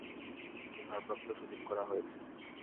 তাঁকে ভারপ্রাপ্ত সচিব করা হয়েছে।